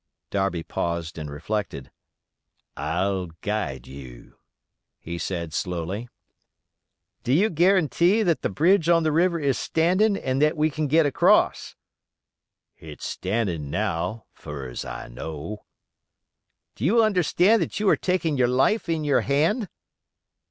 Darby paused and reflected. "I'll guide you," he said, slowly. "Do you guarantee that the bridge on the river is standing and that we can get across?" "Hit's standing now, fur as I know." "Do you understand that you are taking your life in your hand?"